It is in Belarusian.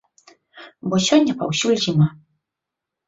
Бо сёння паўсюль зіма.